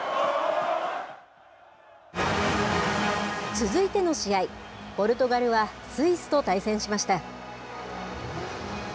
続いての試合、ポルトガルはスイスと対戦しました。